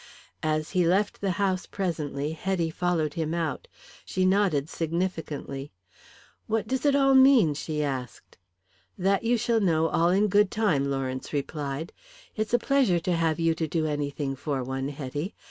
As he left the house presently Hetty followed him out. She nodded significantly. "What does it all mean?" she asked. "That you shall know all in good time," Lawrence replied. "It's a pleasure to have you to do anything for one, Hetty.